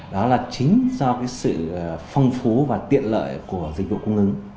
đó là chính do sự phong phú và tiện lợi của dịch vụ cung ứng